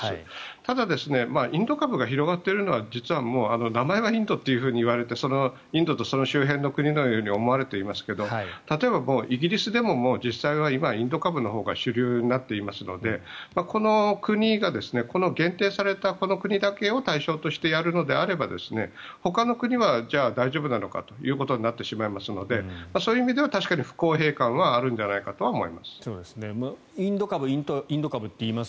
ただ、インド株が広がっているのは実は名前がインドといわれてインドとその周辺の国のように思われていますけど例えば、もうイギリスでも実際は今、インド型のほうが主流になっていますのでこの限定されたこの国だけを対象としてやるのであればほかの国は大丈夫なのかということになってしまいますのでそういう意味では確かに不公平感はあるんじゃないかと思います。